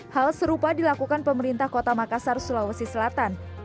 hal serupa dilakukan pemerintah kota makassar sulawesi selatan